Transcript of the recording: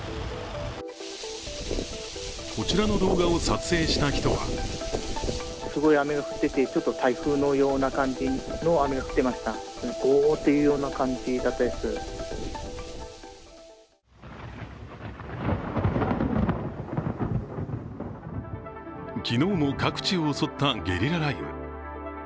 こちらの動画を撮影した人は昨日も各地を襲ったゲリラ雷雨。